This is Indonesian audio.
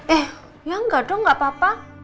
eh ya enggak dong gak apa apa